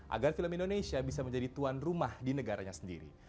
agar film indonesia bisa menjadi tuan rumah di negaranya sendiri